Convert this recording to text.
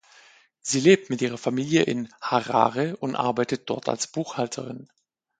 Sie lebt mit ihrer Familie in Harare und arbeitet dort als Buchhalterin.